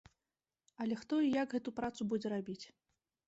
Але хто і як гэту працу будзе рабіць?